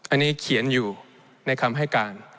อันนี้เขียนอยู่ในคำให้การ